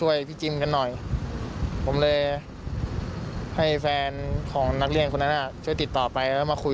ว่าครูเอเนี่ยหลอกจิมมี่อยู่